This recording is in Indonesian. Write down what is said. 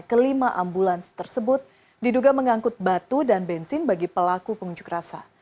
kelima ambulans tersebut diduga mengangkut batu dan bensin bagi pelaku pengunjuk rasa